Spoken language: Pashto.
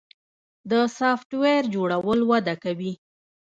د سافټویر جوړول وده کوي